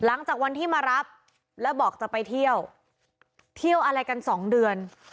หลังจากวันที่มารับแล้วบอกจะไปเที่ยวเที่ยวอะไรกันสองเดือน